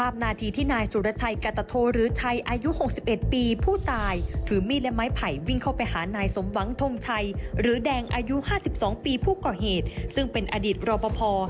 ปีภูเขาเหตุซึ่งเป็นอดีตรอปภ